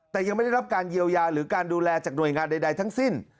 แต่ยังไม่ได้รับการเยียวยาหรือการดูแลจากหน่วยงานใดทั้งสิ้น